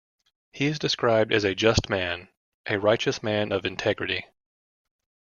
He is described as a "just man", a righteous man of integrity.